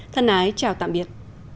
thân ái chào tạm biệt